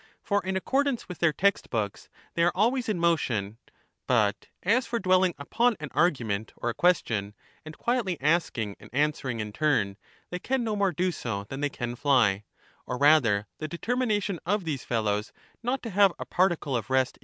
For, in accordance with their text books, they ^^^^'^^,^ 'J aigument are always in motion ; but as for dwelling upon an argument out of 180 or a question, and quietly asking and answering in turn, they ^hc hands can no more do so than they can fly; or rather, the de lunatics and termination of these fellows not to have a particle of rest ^anaUcs.